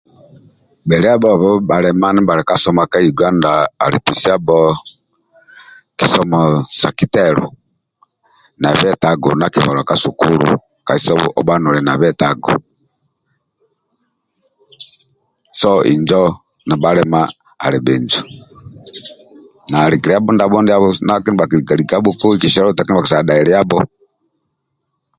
Gbeliabhobe bhalema ndia bhalibka ka somo ka uganda ali pesiabho kisomo sa kitelu kasita obha noli nai na bietago ndia akibalibwa ka sukulu kasita obha noli bitago so injo ndia bhalema ali bhinjo alikiliabho ki seluta kindia bhakisobola dhailiabho